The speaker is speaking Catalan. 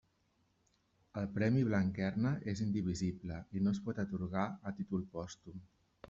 El Premi Blanquerna és indivisible i no es pot atorgar a títol pòstum.